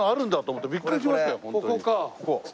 ここか。